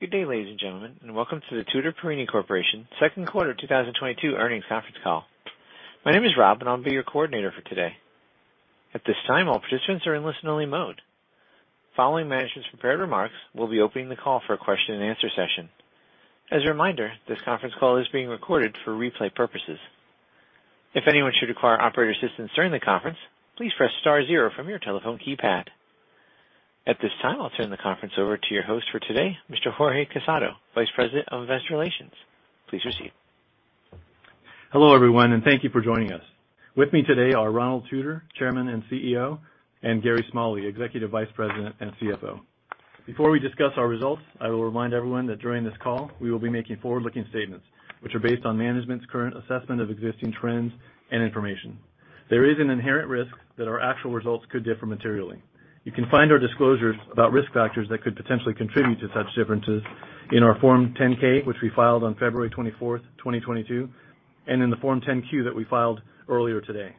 Good day, ladies and gentlemen, and welcome to the Tutor Perini Corporation second quarter 2022 earnings conference call. My name is Rob, and I'll be your coordinator for today. At this time, all participants are in listen-only mode. Following management's prepared remarks, we'll be opening the call for a question-and-answer session. As a reminder, this conference call is being recorded for replay purposes. If anyone should require operator assistance during the conference, please press star zero from your telephone keypad. At this time, I'll turn the conference over to your host for today, Mr. Jorge Casado, Vice President of Investor Relations. Please proceed. Hello, everyone, and thank you for joining us. With me today are Ronald Tutor, Chairman and CEO, and Gary Smalley, Executive Vice President and CFO. Before we discuss our results, I will remind everyone that during this call, we will be making forward-looking statements, which are based on management's current assessment of existing trends and information. There is an inherent risk that our actual results could differ materially. You can find our disclosures about risk factors that could potentially contribute to such differences in our Form 10-K, which we filed on February 24th, 2022, and in the Form 10-Q that we filed earlier today.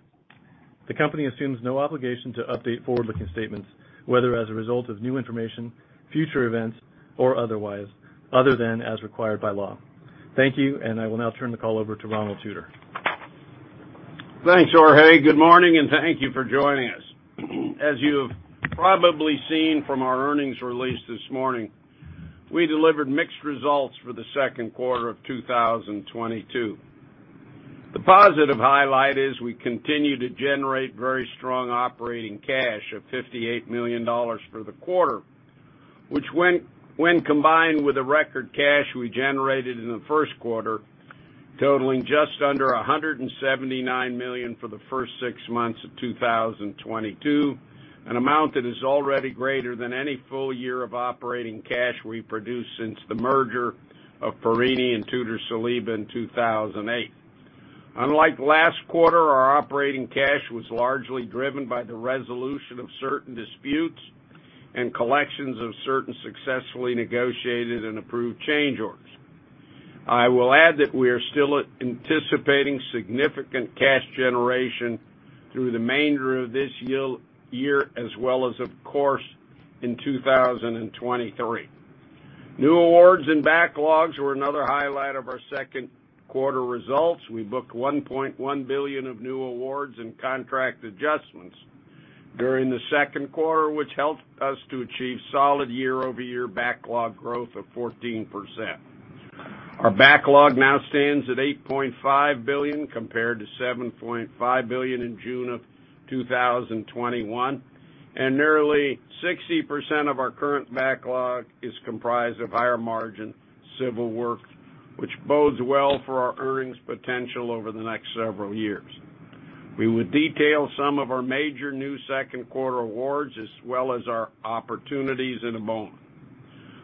The company assumes no obligation to update forward-looking statements, whether as a result of new information, future events, or otherwise, other than as required by law. Thank you, and I will now turn the call over to Ronald Tutor. Thanks, Jorge. Good morning, and thank you for joining us. As you have probably seen from our earnings release this morning, we delivered mixed results for the second quarter of 2022. The positive highlight is we continue to generate very strong operating cash of $58 million for the quarter, which, when combined with the record cash we generated in the first quarter, totaling just under $179 million for the first six months of 2022, an amount that is already greater than any full-year of operating cash we produced since the merger of Perini and Tutor-Saliba in 2008. Unlike last quarter, our operating cash was largely driven by the resolution of certain disputes and collections of certain successfully negotiated and approved change orders. I will add that we are still anticipating significant cash generation through the remainder of this year as well as, of course, in 2023. New awards and backlogs were another highlight of our second quarter results. We booked $1.1 billion of new awards and contract adjustments during the second quarter, which helped us to achieve solid year-over-year backlog growth of 14%. Our backlog now stands at $8.5 billion, compared to $7.5 billion in June 2021, and nearly 60% of our current backlog is comprised of higher margin civil work, which bodes well for our earnings potential over the next several years. We will detail some of our major new second quarter awards as well as our opportunities in a moment.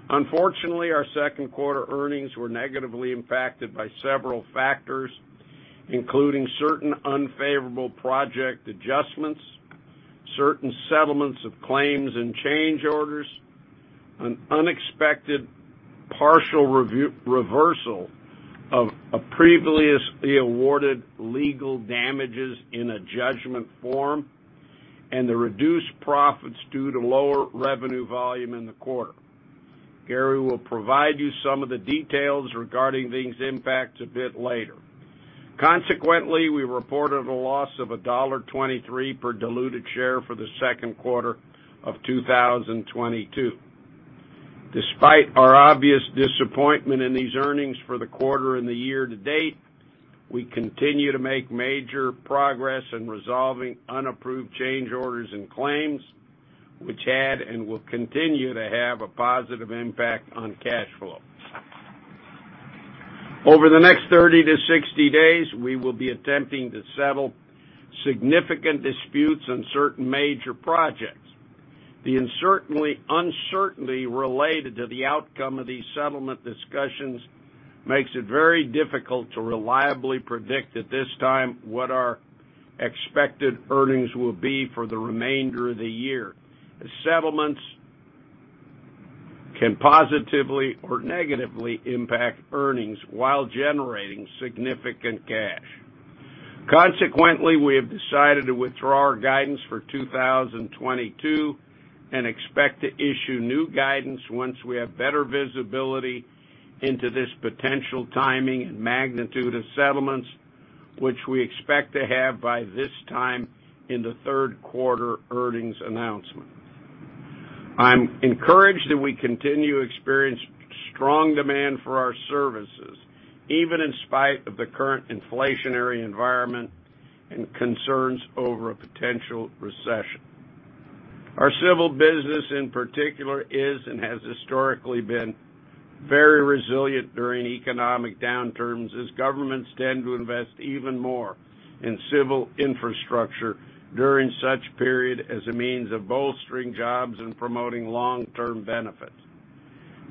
Unfortunately, our second quarter earnings were negatively impacted by several factors, including certain unfavorable project adjustments, certain settlements of claims and change orders, an unexpected partial revenue reversal of a previously awarded legal damages in a judgment from, and the reduced profits due to lower revenue volume in the quarter. Gary will provide you some of the details regarding these impacts a bit later. Consequently, we reported a loss of $1.23 per diluted share for the second quarter of 2022. Despite our obvious disappointment in these earnings for the quarter and the year-to-date, we continue to make major progress in resolving unapproved change orders and claims, which had and will continue to have a positive impact on cash flow. Over the next 30-60 days, we will be attempting to settle significant disputes on certain major projects. The uncertainty related to the outcome of these settlement discussions makes it very difficult to reliably predict at this time what our expected earnings will be for the remainder of the year. The settlements can positively or negatively impact earnings while generating significant cash. Consequently, we have decided to withdraw our guidance for 2022 and expect to issue new guidance once we have better visibility into this potential timing and magnitude of settlements, which we expect to have by this time in the third quarter earnings announcement. I'm encouraged that we continue to experience strong demand for our services, even in spite of the current inflationary environment and concerns over a potential recession. Our civil business in particular is and has historically been very resilient during economic downturns as governments tend to invest even more in civil infrastructure during such period as a means of bolstering jobs and promoting long-term benefits.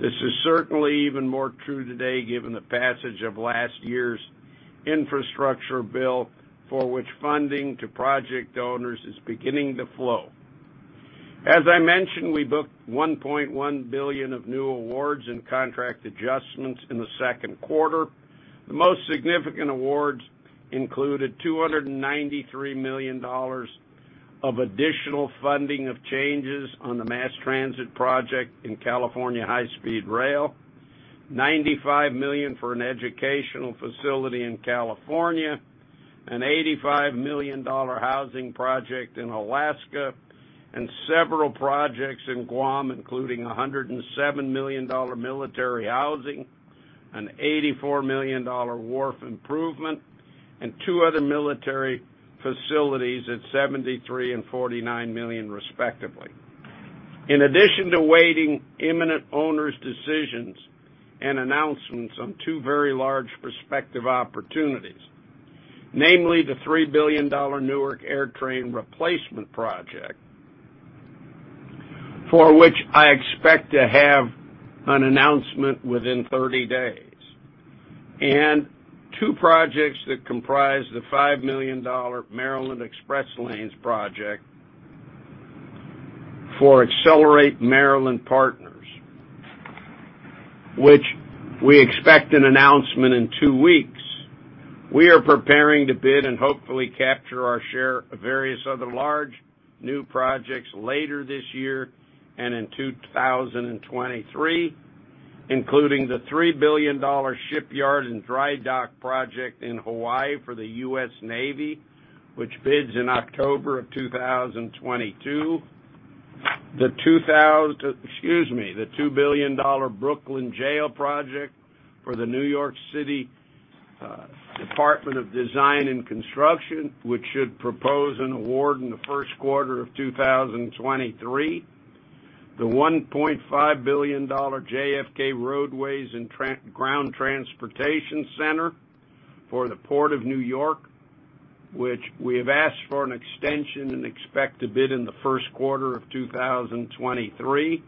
This is certainly even more true today given the passage of last year's infrastructure bill for which funding to project owners is beginning to flow. As I mentioned, we booked $1.1 billion of new awards and contract adjustments in the second quarter. The most significant awards included $293 million of additional funding of changes on the mass transit project in California High-Speed Rail, $95 million for an educational facility in California, an $85 million housing project in Alaska, and several projects in Guam, including a $107 million military housing, an $84 million wharf improvement, and two other military facilities at $73 million and $49 million respectively. Awaiting imminent owners' decisions and announcements on two very large prospective opportunities, namely the $3 billion Newark AirTrain replacement project, for which I expect to have an announcement within 30 days, and two projects that comprise the $5 billion Maryland Express Lanes project for Accelerate Maryland Partners, which we expect an announcement in two weeks. We are preparing to bid and hopefully capture our share of various other large new projects later this year and in 2023, including the $3 billion shipyard and dry dock project in Hawaii for the U.S. Navy, which bids in October 2022. The $2 billion Brooklyn Jail project for the New York City Department of Design and Construction, which should propose an award in the first quarter of 2023. The $1.5 billion JFK Roadways and Ground Transportation Center for the Port Authority of New York, which we have asked for an extension and expect to bid in the first quarter of 2023.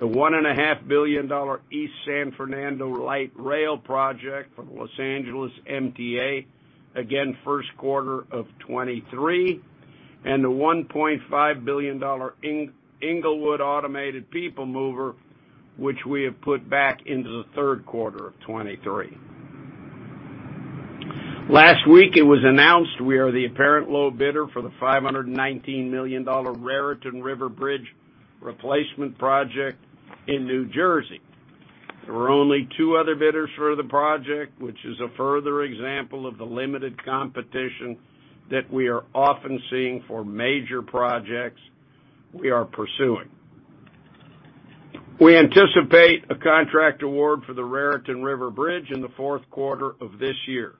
The $1.5 billion East San Fernando Valley Light Rail Project for the Los Angeles MTA. Again, first quarter of 2023. The $1.5 billion Inglewood Automated People Mover, which we have put back into the third quarter of 2023. Last week, it was announced we are the apparent low bidder for the $519 million Raritan River Bridge Replacement Project in New Jersey. There were only two other bidders for the project, which is a further example of the limited competition that we are often seeing for major projects we are pursuing. We anticipate a contract award for the Raritan River Bridge in the fourth quarter of this year.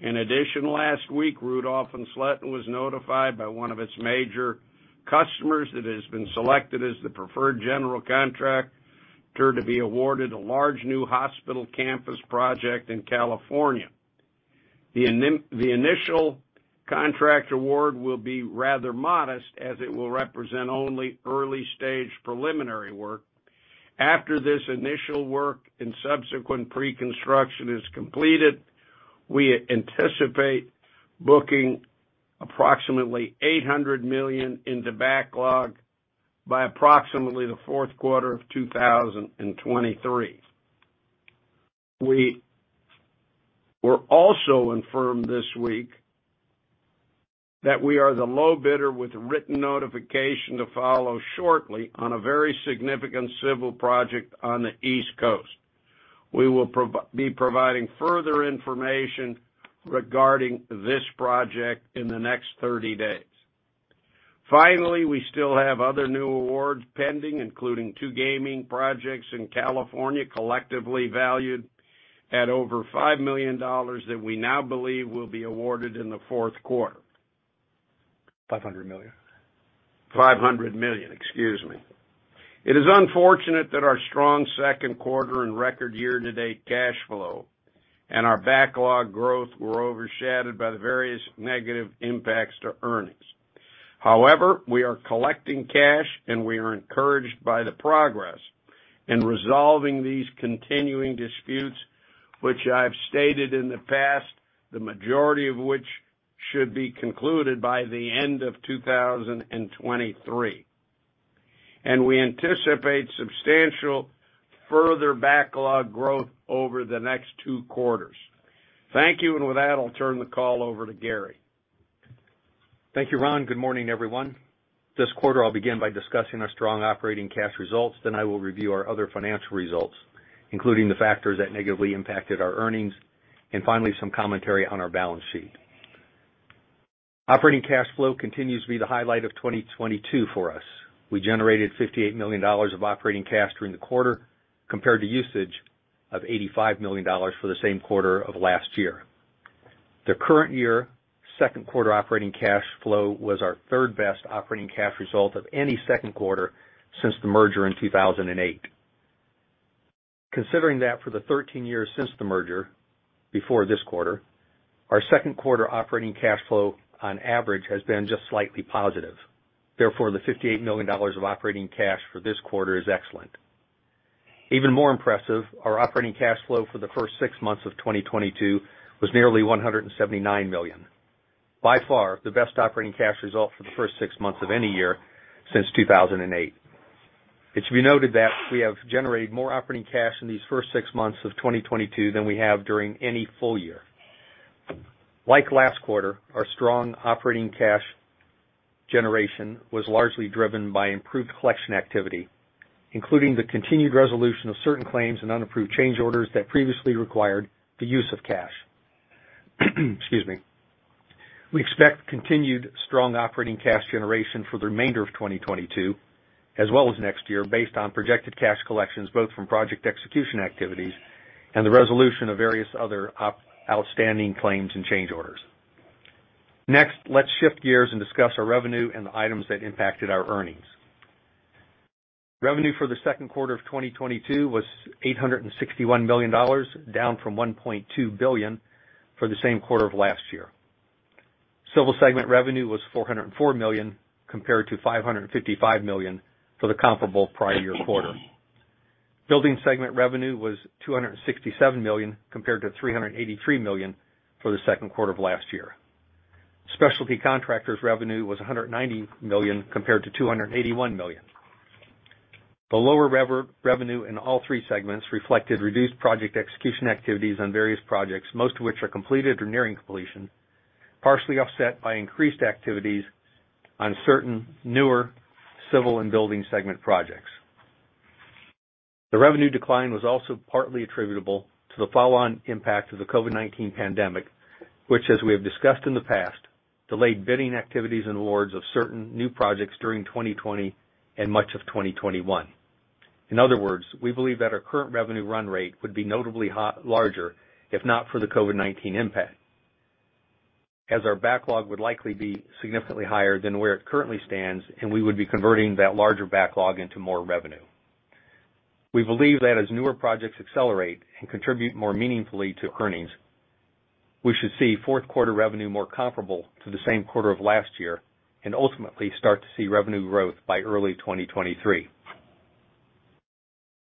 In addition, last week, Rudolph and Sletten was notified by one of its major customers that it has been selected as the preferred general contractor to be awarded a large new hospital campus project in California. The initial contract award will be rather modest, as it will represent only early-stage preliminary work. After this initial work and subsequent pre-construction is completed, we anticipate booking approximately $800 million into backlog by approximately the fourth quarter of 2023. We were also informed this week that we are the low bidder with written notification to follow shortly on a very significant civil project on the East Coast. We will be providing further information regarding this project in the next 30 days. Finally, we still have other new awards pending, including two gaming projects in California, collectively valued at over $5 million, that we now believe will be awarded in the fourth quarter. $500 million. $500 million. Excuse me. It is unfortunate that our strong second quarter and record year-to-date cash flow and our backlog growth were overshadowed by the various negative impacts to earnings. However, we are collecting cash, and we are encouraged by the progress in resolving these continuing disputes, which I've stated in the past, the majority of which should be concluded by the end of 2023. We anticipate substantial further backlog growth over the next two quarters. Thank you. With that, I'll turn the call over to Gary. Thank you, Ron. Good morning, everyone. This quarter, I'll begin by discussing our strong operating cash results. Then I will review our other financial results, including the factors that negatively impacted our earnings, and finally, some commentary on our balance sheet. Operating cash flow continues to be the highlight of 2022 for us. We generated $58 million of operating cash during the quarter, compared to usage of $85 million for the same quarter of last year. The current year, second quarter operating cash flow was our third-best operating cash result of any second quarter since the merger in 2008. Considering that for the 13 years since the merger, before this quarter, our second quarter operating cash flow on average has been just slightly positive. Therefore, the $58 million of operating cash for this quarter is excellent. Even more impressive, our operating cash flow for the first six months of 2022 was nearly $179 million. By far, the best operating cash result for the first six months of any year since 2008. It should be noted that we have generated more operating cash in these first six months of 2022 than we have during any full year. Like last quarter, our strong operating cash generation was largely driven by improved collection activity, including the continued resolution of certain claims and unapproved change orders that previously required the use of cash. Excuse me. We expect continued strong operating cash generation for the remainder of 2022 as well as next year, based on projected cash collections both from project execution activities and the resolution of various other outstanding claims and change orders. Next, let's shift gears and discuss our revenue and the items that impacted our earnings. Revenue for the second quarter of 2022 was $861 million, down from $1.2 billion for the same quarter of last year. Civil segment revenue was $404 million, compared to $555 million for the comparable prior year quarter. Building segment revenue was $267 million, compared to $383 million for the second quarter of last year. Specialty contractors revenue was $190 million compared to $281 million. The lower revenue in all three segments reflected reduced project execution activities on various projects, most of which are completed or nearing completion, partially offset by increased activities on certain newer civil and building segment projects. The revenue decline was also partly attributable to the follow-on impact of the COVID-19 pandemic, which, as we have discussed in the past, delayed bidding activities and awards of certain new projects during 2020 and much of 2021. In other words, we believe that our current revenue run rate would be notably larger if not for the COVID-19 impact, as our backlog would likely be significantly higher than where it currently stands, and we would be converting that larger backlog into more revenue. We believe that as newer projects accelerate and contribute more meaningfully to earnings, we should see fourth quarter revenue more comparable to the same quarter of last year and ultimately start to see revenue growth by early 2023.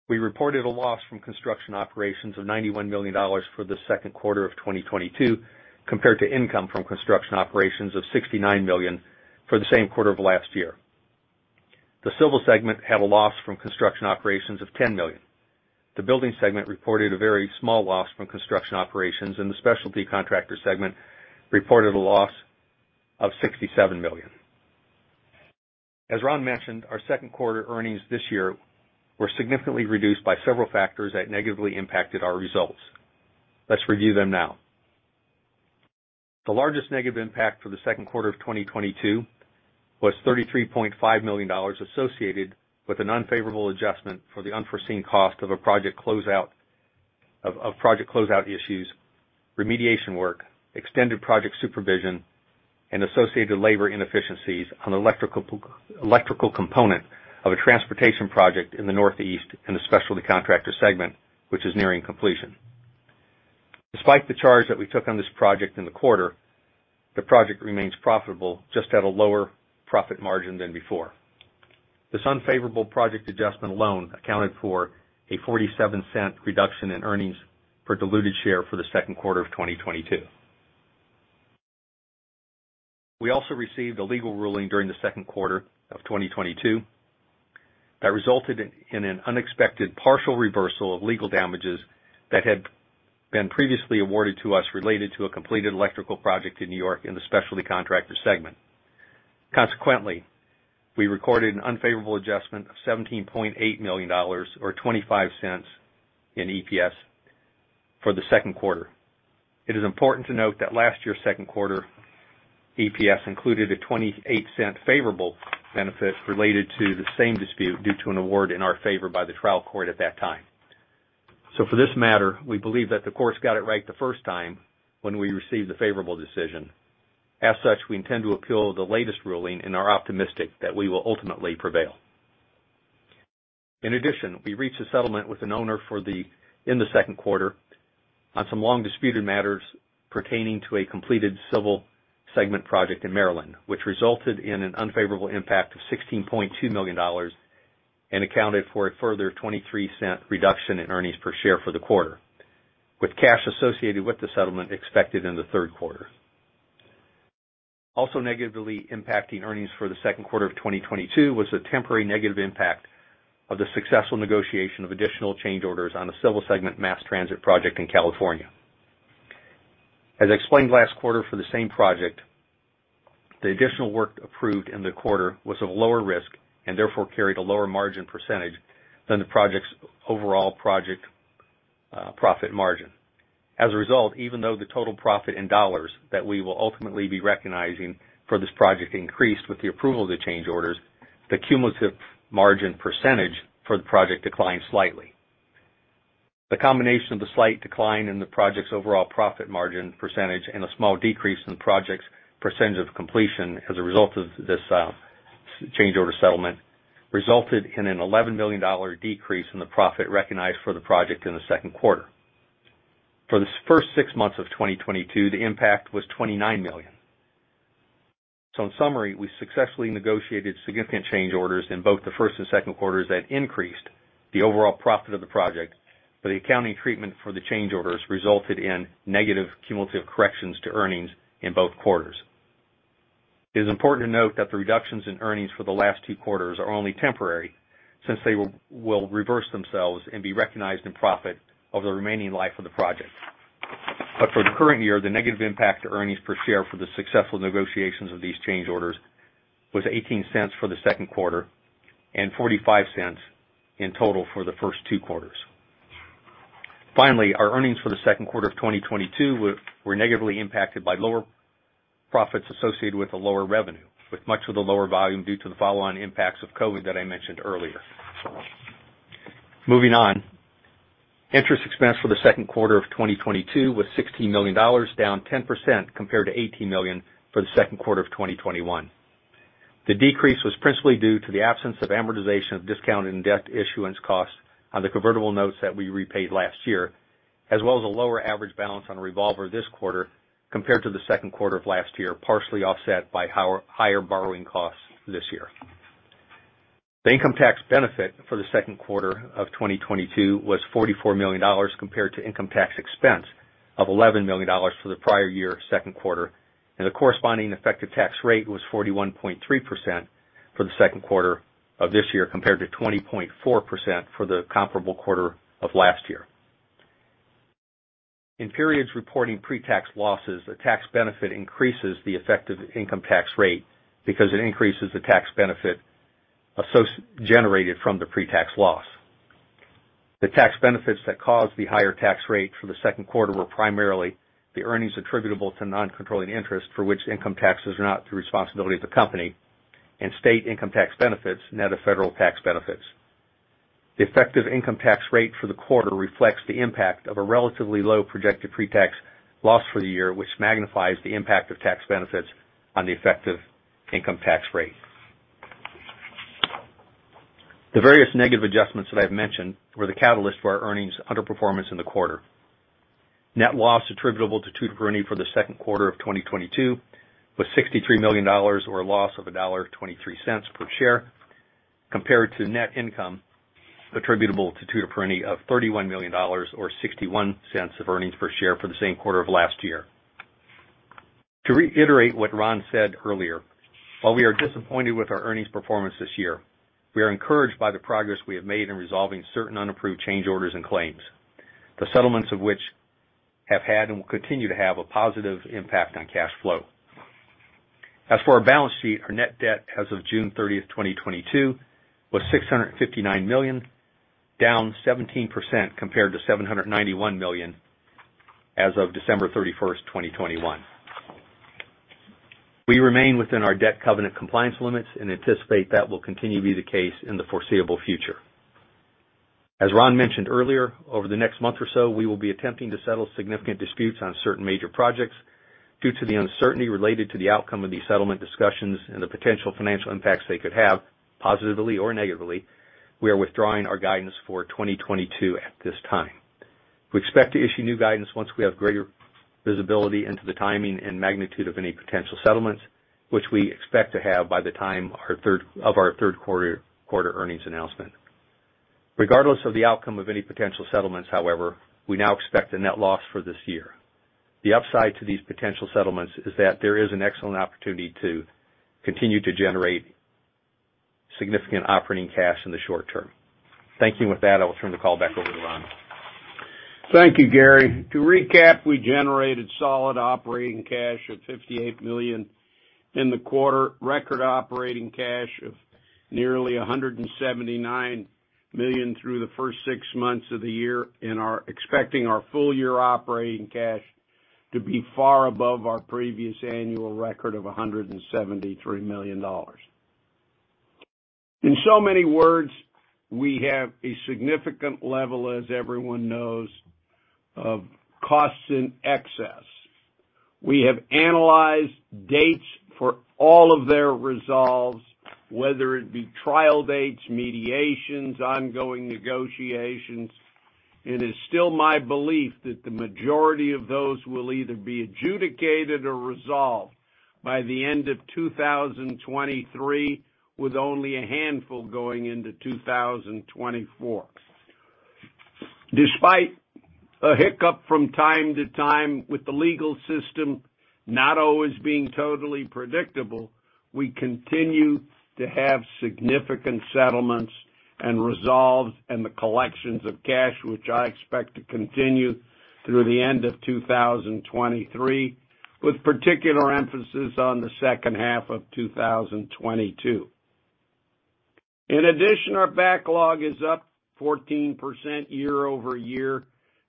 We reported a loss from construction operations of $91 million for the second quarter of 2022, compared to income from construction operations of $69 million for the same quarter of last year. The civil segment had a loss from construction operations of $10 million. The buildings segment reported a very small loss from construction operations, and the specialty contractor segment reported a loss of $67 million. As Ron mentioned, our second quarter earnings this year were significantly reduced by several factors that negatively impacted our results. Let's review them now. The largest negative impact for the second quarter of 2022 was $33.5 million associated with an unfavorable adjustment for the unforeseen cost of project closeout issues, remediation work, extended project supervision, and associated labor inefficiencies on electrical component of a transportation project in the Northeast and the specialty contractor segment, which is nearing completion. Despite the charge that we took on this project in the quarter, the project remains profitable, just at a lower profit margin than before. This unfavorable project adjustment alone accounted for a $0.47 reduction in earnings per diluted share for the second quarter of 2022. We also received a legal ruling during the second quarter of 2022 that resulted in an unexpected partial reversal of legal damages that had been previously awarded to us related to a completed electrical project in New York in the specialty contractor segment. Consequently, we recorded an unfavorable adjustment of $17.8 million or $0.25 in EPS for the second quarter. It is important to note that last year's second quarter EPS included a $0.28 favorable benefit related to the same dispute due to an award in our favor by the trial court at that time. For this matter, we believe that the courts got it right the first time when we received the favorable decision. As such, we intend to appeal the latest ruling and are optimistic that we will ultimately prevail. In addition, we reached a settlement with an owner in the second quarter on some long-disputed matters pertaining to a completed civil segment project in Maryland, which resulted in an unfavorable impact of $16.2 million and accounted for a further $0.23 reduction in earnings per share for the quarter, with cash associated with the settlement expected in the third quarter. Also negatively impacting earnings for the second quarter of 2022 was a temporary negative impact of the successful negotiation of additional change orders on a civil segment mass transit project in California. As explained last quarter for the same project, the additional work approved in the quarter was of lower risk and therefore carried a lower margin percentage than the project's overall project profit margin. As a result, even though the total profit in dollars that we will ultimately be recognizing for this project increased with the approval of the change orders, the cumulative margin percentage for the project declined slightly. The combination of the slight decline in the project's overall profit margin percentage and a small decrease in the project's percentage of completion as a result of this change order settlement resulted in an $11 million decrease in the profit recognized for the project in the second quarter. For the first six months of 2022, the impact was $29 million. In summary, we successfully negotiated significant change orders in both the first and second quarters that increased the overall profit of the project, but the accounting treatment for the change orders resulted in negative cumulative corrections to earnings in both quarters. It is important to note that the reductions in earnings for the last two quarters are only temporary, since they will reverse themselves and be recognized in profit over the remaining life of the project. For the current year, the negative impact to earnings per share for the successful negotiations of these change orders was $0.18 for the second quarter and $0.45 in total for the first two quarters. Finally, our earnings for the second quarter of 2022 were negatively impacted by lower profits associated with the lower revenue, with much of the lower volume due to the follow-on impacts of COVID that I mentioned earlier. Moving on. Interest expense for the second quarter of 2022 was $16 million, down 10% compared to $18 million for the second quarter of 2021. The decrease was principally due to the absence of amortization of discounted debt issuance costs on the convertible notes that we repaid last year, as well as a lower average balance on revolver this quarter compared to the second quarter of last year, partially offset by higher borrowing costs this year. The income tax benefit for the second quarter of 2022 was $44 million, compared to income tax expense of $11 million for the prior year second quarter, and the corresponding effective tax rate was 41.3% for the second quarter of this year, compared to 20.4% for the comparable quarter of last year. In periods reporting pre-tax losses, the tax benefit increases the effective income tax rate because it increases the tax benefit generated from the pre-tax loss. The tax benefits that caused the higher tax rate for the second quarter were primarily the earnings attributable to non-controlling interest for which income taxes are not the responsibility of the company and state income tax benefits net of federal tax benefits. The effective income tax rate for the quarter reflects the impact of a relatively low projected pre-tax loss for the year, which magnifies the impact of tax benefits on the effective income tax rate. The various negative adjustments that I've mentioned were the catalyst for our earnings underperformance in the quarter. Net loss attributable to Tutor Perini for the second quarter of 2022 was $63 million, or a loss of $1.23 per share, compared to net income attributable to Tutor Perini of $31 million or $0.61 of earnings per share for the same quarter of last year. To reiterate what Ron said earlier, while we are disappointed with our earnings performance this year, we are encouraged by the progress we have made in resolving certain unapproved change orders and claims, the settlements of which have had and will continue to have a positive impact on cash flow. As for our balance sheet, our net debt as of June 30, 2022 was $659 million, down 17% compared to $791 million as of December 31st, 2021. We remain within our debt covenant compliance limits and anticipate that will continue to be the case in the foreseeable future. As Ron mentioned earlier, over the next month or so, we will be attempting to settle significant disputes on certain major projects. Due to the uncertainty related to the outcome of these settlement discussions and the potential financial impacts they could have, positively or negatively, we are withdrawing our guidance for 2022 at this time. We expect to issue new guidance once we have greater visibility into the timing and magnitude of any potential settlements, which we expect to have by the time of our third quarter earnings announcement. Regardless of the outcome of any potential settlements, however, we now expect a net loss for this year. The upside to these potential settlements is that there is an excellent opportunity to continue to generate significant operating cash in the short term. Thank you. With that, I will turn the call back over to Ron. Thank you, Gary. To recap, we generated solid operating cash of $58 million in the quarter, record operating cash of nearly $179 million through the first six months of the year, and are expecting our full-year operating cash to be far above our previous annual record of $173 million. In so many words, we have a significant level, as everyone knows, of costs in excess. We have analyzed dates for all of their resolves, whether it be trial dates, mediations, ongoing negotiations. It is still my belief that the majority of those will either be adjudicated or resolved by the end of 2023, with only a handful going into 2024. Despite a hiccup from time to time with the legal system not always being totally predictable, we continue to have significant settlements and resolutions and the collections of cash which I expect to continue through the end of 2023, with particular emphasis on the second half of 2022. In addition, our backlog is up 14% year-over-year,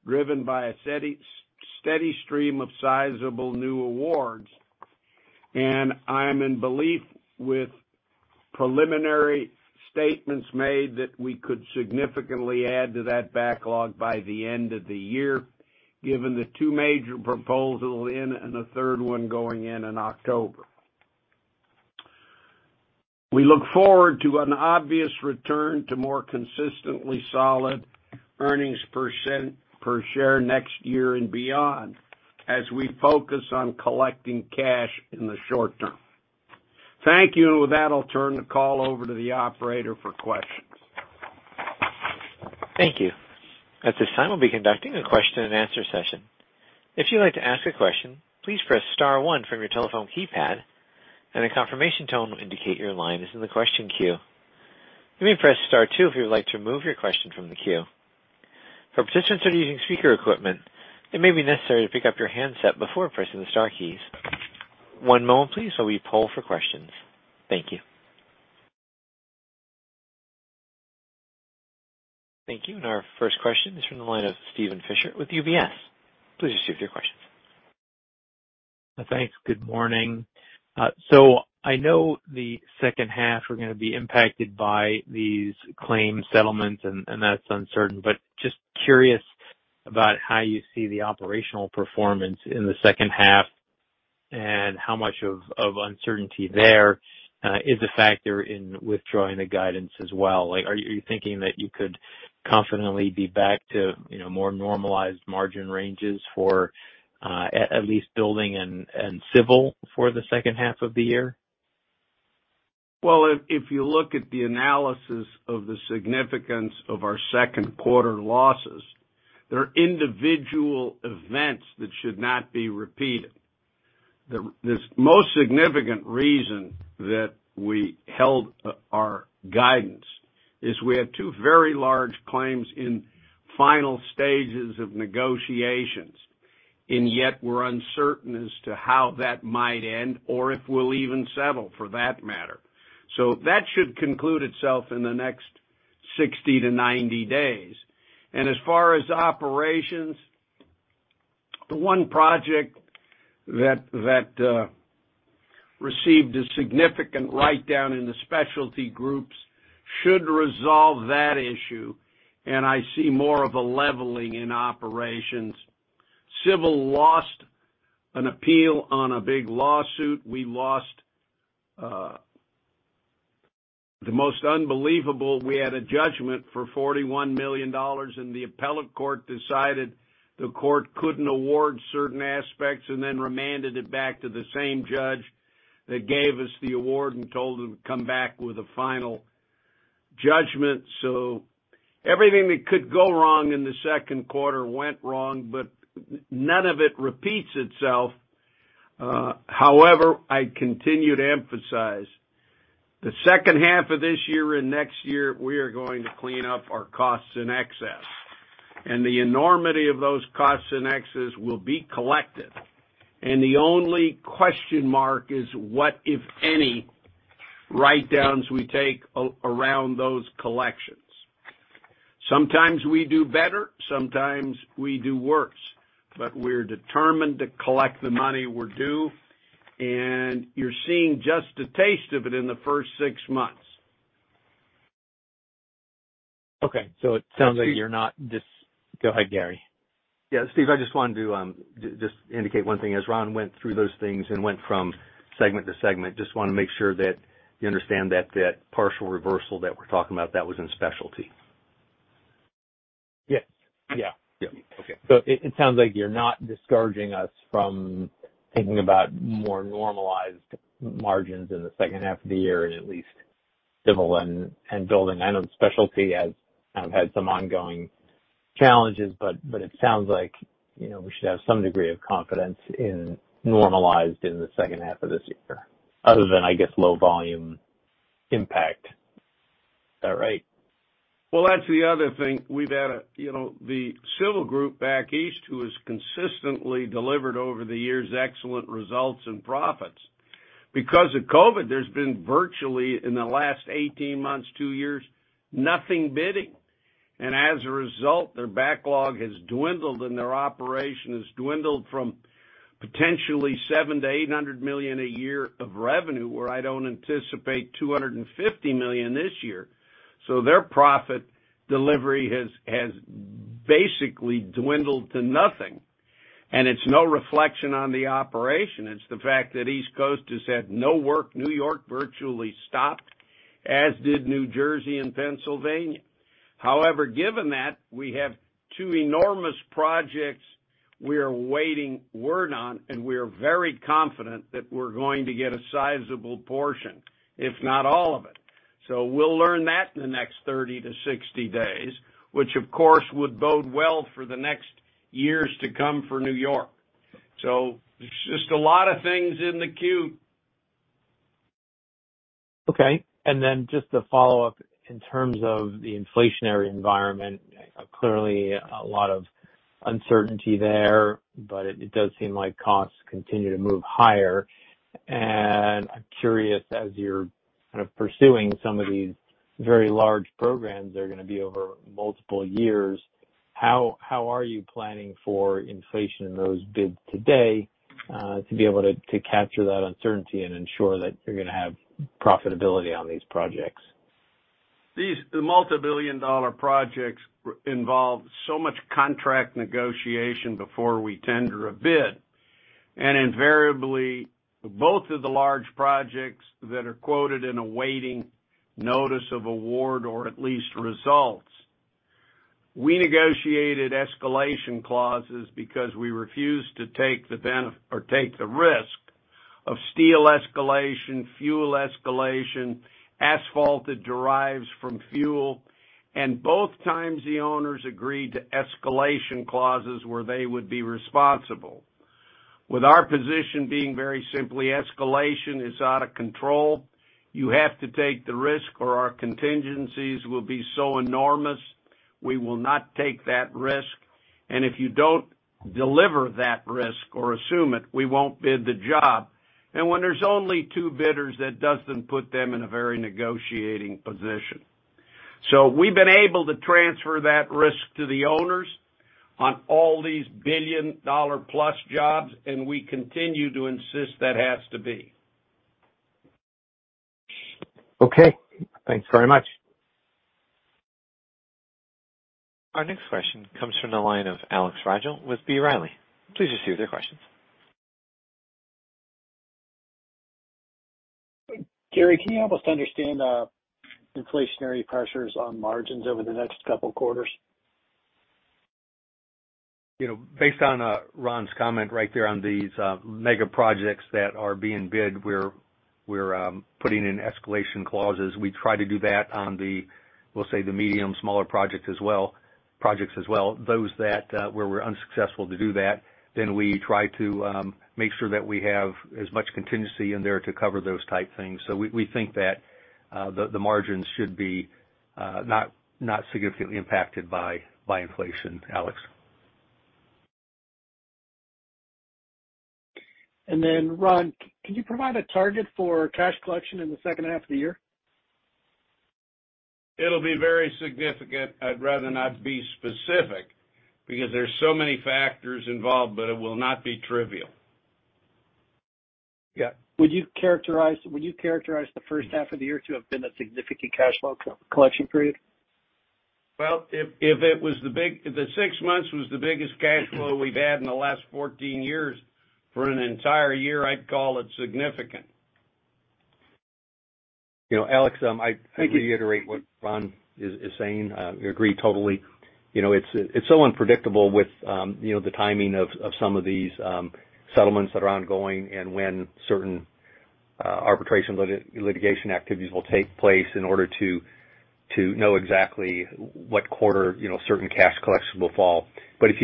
driven by a steady stream of sizable new awards. I'm in belief with preliminary statements made that we could significantly add to that backlog by the end of the year, given the two major proposals in and a third one going in in October. We look forward to an obvious return to more consistently solid earnings per share next year and beyond, as we focus on collecting cash in the short term. Thank you. With that, I'll turn the call over to the operator for questions. Thank you. At this time, we'll be conducting a question-and-answer session. If you'd like to ask a question, please press star one from your telephone keypad and a confirmation tone will indicate your line is in the question queue. You may press star two if you would like to remove your question from the queue. For participants that are using speaker equipment, it may be necessary to pick up your handset before pressing the star keys. One moment please while we poll for questions. Thank you. Thank you. Our first question is from the line of Steven Fisher with UBS. Please proceed with your questions. Thanks. Good morning. I know the second half we're gonna be impacted by these claim settlements and that's uncertain, but just curious about how you see the operational performance in the second half and how much of uncertainty there is a factor in withdrawing the guidance as well. Like, are you thinking that you could confidently be back to, you know, more normalized margin ranges for at least building and civil for the second half of the year? If you look at the analysis of the significance of our second quarter losses, there are individual events that should not be repeated. The most significant reason that we held our guidance is we have two very large claims in final stages of negotiations, and yet we're uncertain as to how that might end or if we'll even settle for that matter. That should conclude itself in the next 60-90 days. As far as operations, the one project that received a significant write-down in the specialty groups should resolve that issue, and I see more of a leveling in operations. Civil lost an appeal on a big lawsuit. We lost. The most unbelievable, we had a judgment for $41 million and the appellate court decided the court couldn't award certain aspects and then remanded it back to the same judge that gave us the award and told them to come back with a final judgment. Everything that could go wrong in the second quarter went wrong, but none of it repeats itself. However, I continue to emphasize, the second half of this year and next year, we are going to clean up our costs in excess, and the enormity of those costs in excess will be collected. The only question mark is what, if any, write-downs we take around those collections. Sometimes we do better, sometimes we do worse, but we're determined to collect the money we're due, and you're seeing just a taste of it in the first six months. Okay, it sounds like. Steve- Go ahead, Gary. Yeah, Steven, I just wanted to indicate one thing. As Ron went through those things and went from segment to segment, just wanna make sure that you understand that that partial reversal that we're talking about, that was in specialty. Yes. Yeah. Yeah. Okay. It sounds like you're not discouraging us from thinking about more normalized margins in the second half of the year in at least civil and building. I know specialty has kind of had some ongoing challenges, but it sounds like, you know, we should have some degree of confidence in normalized in the second half of this year, other than, I guess, low volume impact. Is that right? Well, that's the other thing. We've had a, you know, the civil group back east who has consistently delivered over the years excellent results and profits. Because of COVID, there's been virtually, in the last 18 months, two years, nothing bidding. As a result, their backlog has dwindled and their operation has dwindled from potentially $700 million-$800 million a year of revenue, where I don't anticipate $250 million this year. Their profit delivery has basically dwindled to nothing. It's no reflection on the operation, it's the fact that East Coast has had no work. New York virtually stopped, as did New Jersey and Pennsylvania. However, given that, we have two enormous projects we're waiting word on, and we're very confident that we're going to get a sizable portion, if not all of it. We'll learn that in the next 30-60 days, which of course would bode well for the next years to come for New York. There's just a lot of things in the queue. Okay. Then just to follow up, in terms of the inflationary environment, clearly a lot of uncertainty there, but it does seem like costs continue to move higher. I'm curious, as you're kind of pursuing some of these very large programs that are gonna be over multiple years, how are you planning for inflation in those bids today, to be able to capture that uncertainty and ensure that you're gonna have profitability on these projects? These multi-billion-dollar projects involve so much contract negotiation before we tender a bid. Invariably, both of the large projects that are awaiting notice of award or at least results, we negotiated escalation clauses because we refuse to take the risk. Of steel escalation, fuel escalation, asphalt that derives from fuel. Both times the owners agreed to escalation clauses where they would be responsible. With our position being very simply, escalation is out of control. You have to take the risk or our contingencies will be so enormous we will not take that risk. If you don't deliver that risk or assume it, we won't bid the job. When there's only two bidders, that doesn't put them in a very good negotiating position. We've been able to transfer that risk to the owners on all these billion-dollar-plus jobs, and we continue to insist that has to be. Okay. Thanks very much. Our next question comes from the line of Alex Rygiel with B. Riley. Please proceed with your questions. Gary, can you help us understand, inflationary pressures on margins over the next couple quarters? You know, based on Ron's comment right there on these mega projects that are being bid, we're putting in escalation clauses. We try to do that on the, we'll say the medium smaller projects as well. Those that where we're unsuccessful to do that, then we try to make sure that we have as much contingency in there to cover those type things. We think that the margins should be not significantly impacted by inflation, Alex. Ron, can you provide a target for cash collection in the second half of the year? It'll be very significant. I'd rather not be specific because there's so many factors involved, but it will not be trivial. Yeah. Would you characterize the first half of the year to have been a significant cash flow collection period? Well, if the six months was the biggest cash flow we've had in the last 14 years, for an entire year, I'd call it significant. You know, Alex, I'd reiterate what Ron is saying. We agree totally. You know, it's so unpredictable with you know, the timing of some of these settlements that are ongoing and when certain arbitration litigation activities will take place in order to know exactly what quarter, you know, certain cash collections will fall. If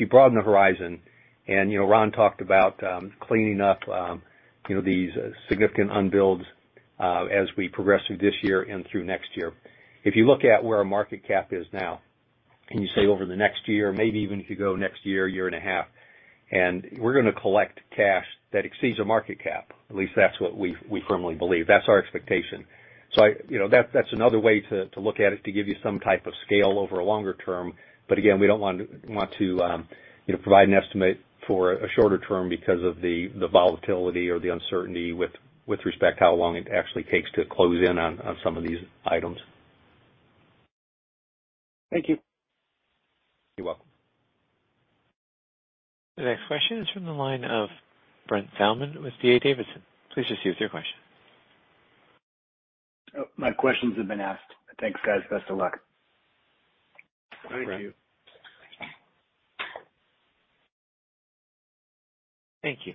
you broaden the horizon and, you know, Ron talked about cleaning up, you know, these significant unbilleds, as we progress through this year and through next year. If you look at where our market cap is now and you say over the next year, maybe even if you go next year and a half, and we're gonna collect cash that exceeds our market cap, at least that's what we firmly believe. That's our expectation. You know, that's another way to look at it, to give you some type of scale over a longer term. Again, we don't want to provide an estimate for a shorter term because of the volatility or the uncertainty with respect to how long it actually takes to close in on some of these items. Thank you. You're welcome. The next question is from the line of Brent Thielman with D.A. Davidson. Please proceed with your question. Oh, my questions have been asked. Thanks, guys. Best of luck. Thank you. Thank you.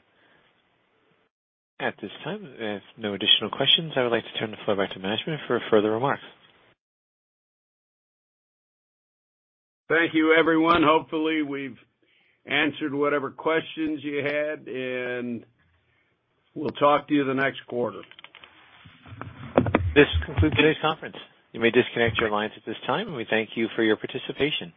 At this time, if no additional questions, I would like to turn the floor back to management for further remarks. Thank you, everyone. Hopefully, we've answered whatever questions you had, and we'll talk to you the next quarter. This concludes today's conference. You may disconnect your lines at this time, and we thank you for your participation.